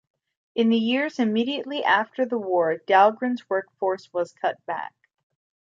In the years immediately after the war, Dahlgren's work force was cut back.